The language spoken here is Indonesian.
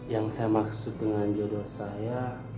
yang saya maksud dengan jodoh saya